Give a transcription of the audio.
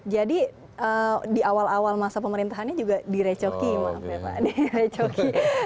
jadi di awal awal masa pemerintahannya juga direcoki maaf ya pak